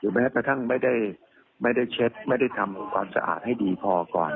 แม้กระทั่งไม่ได้เช็ดไม่ได้ทำความสะอาดให้ดีพอก่อน